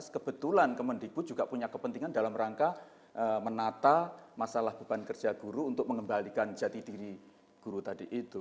kebetulan kemendikbud juga punya kepentingan dalam rangka menata masalah beban kerja guru untuk mengembalikan jati diri guru tadi itu